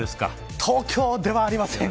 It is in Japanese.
東京ではありません。